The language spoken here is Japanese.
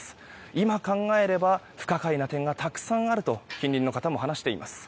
今考えれば不可解な点がたくさんあると近隣の方も話しています。